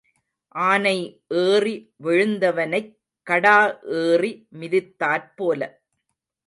ஆனை ஏறி விழுந்தவனைக் கடா ஏறி மிதித்தாற்போல.